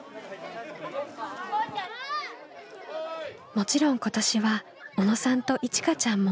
もちろん今年は小野さんといちかちゃんも。